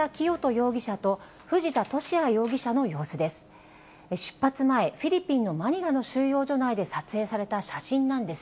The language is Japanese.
容疑者と藤田聖也容疑者の様子です。